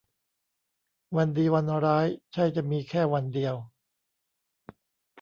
วันดีวันร้ายใช่จะมีแค่วันเดียว